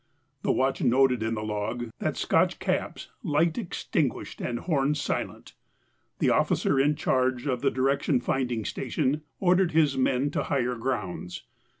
The watch noted in the log that Scotch Cap's "light extinguished and horn silent". The officer in charge of the D/F station ordered his men to higher grounds.